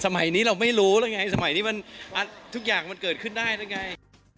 สมัยนี้เราไม่รู้แล้วไงสมัยนี้มันทุกอย่างมันเกิดขึ้นได้หรือไง